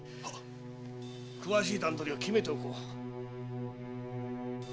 詳しい段取りを決めておこう。